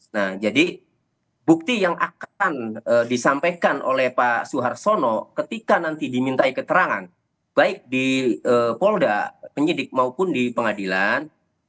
nah jadi bukti yang akan disampaikan oleh pak suharsono ketika nanti diminta keterangan baik di polda penyidik maupun di pengadilan